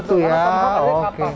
betul tomahawk adalah kapak